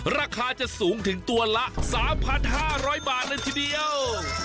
ราคาจะสูงถึงตัวละ๓๕๐๐บาทเลยทีเดียว